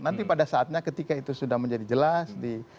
nanti pada saatnya ketika itu sudah menjadi jelas